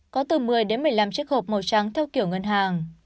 có từ một mươi đến một mươi năm chiếc hộp màu trắng theo kiểu ngân hàng